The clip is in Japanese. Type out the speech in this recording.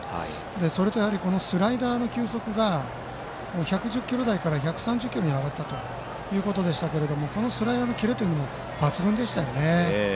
それとスライダーの球速が１１０キロ台から１３０キロに上がったということですがこのスライダーのキレも抜群でしたよね。